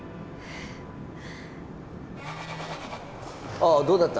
ああどうだった？